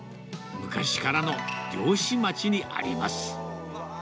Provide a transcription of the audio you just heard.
昔からの漁師町にあります。